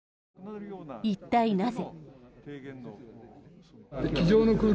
一体なぜ。